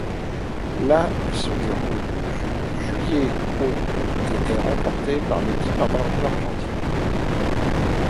La se déroule du juillet au et est remportée par l'équipe d'Argentine.